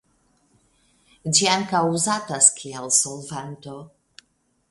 Ĝi ankaŭ uzatas kiel solvanto.